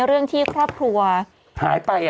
พิธีคราบครัวหายไป